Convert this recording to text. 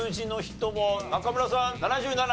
中村さん７７？